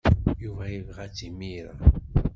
Yuba yebɣa-tt imir-a.